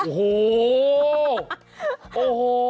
โอ้โหโอ้โห